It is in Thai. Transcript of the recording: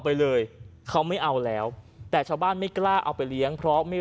ไปเลยเขาไม่เอาแล้วแต่ชาวบ้านไม่กล้าเอาไปเลี้ยงเพราะไม่